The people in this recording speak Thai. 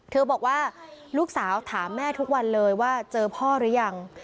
บอกว่าลูกสาวถามแม่ทุกวันเลยว่าเจอพ่อหรือยัง